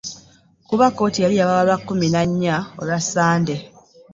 Kuba kkooti yali yabawa lwa kkumi na nnya olwa Ssande.